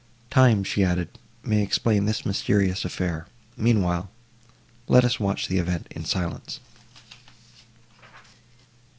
"Time," she added, "may explain this mysterious affair; meanwhile let us watch the event in silence."